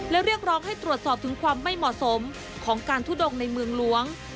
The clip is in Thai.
และเรียกร้องให้ตรวจสอบถึงความไม่เหมาะสมของการทุดงในเมืองหลวง